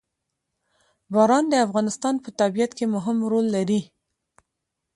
باران د افغانستان په طبیعت کې مهم رول لري.